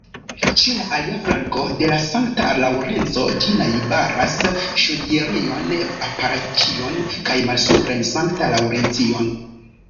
Ĉe la alia flanko de la Sankt-Laŭrenco, ĝi najbaras Ŝodierion-Apalaĉion kaj Malsupran Sankt-Laŭrencion.